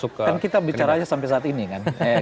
kan kita bicara aja sampai saat ini kan